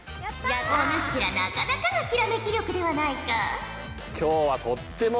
お主らなかなかのひらめき力ではないか。